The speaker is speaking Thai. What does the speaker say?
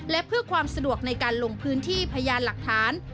และเพื่อความสะดวกในการลงพื้นที่พยานหลักฐาน